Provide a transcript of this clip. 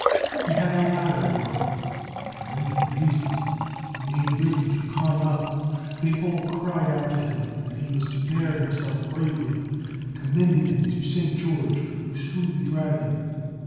He had a ladder brought, and when he raised it, and made ready to climb up, they all cried out to him that he was to bear himself bravely, and commended him to St. George, who slew the dragon.